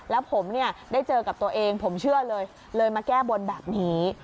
แล้วผมเนี่ยได้เจอกับตัวเองผมเชื่อเลยเลยมาแก้บนแบบนี้